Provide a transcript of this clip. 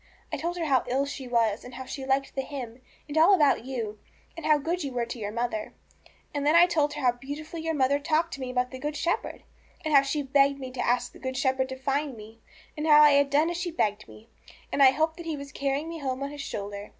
I told her how ill she was, and how she liked the hymn, and all about you, and how good you were to your mother. And then I told her how beautifully your mother talked to me about the Good Shepherd, and how she begged me to ask the Good Shepherd to find me, and how I had done as she begged me, and I hoped that He was carrying me home on His shoulder.